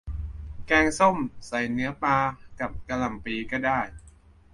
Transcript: แกงส้ม ใส่เนื้อปลา กับกะหล่ำปลีก็ได้